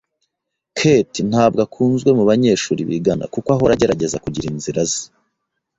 Kate ntabwo akunzwe mubanyeshuri bigana kuko ahora agerageza kugira inzira ze.